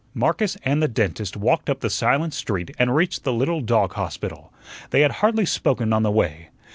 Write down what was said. Marcus and the dentist walked up the silent street and reached the little dog hospital. They had hardly spoken on the way.